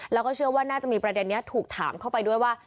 แล้วก็เชื่อว่าน่าจะมีประเด็นนี้ถูกถามเข้าไปด้วยว่า